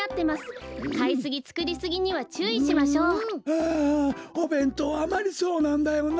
はあおべんとうあまりそうなんだよな。